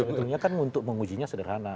sebetulnya kan untuk mengujinya sederhana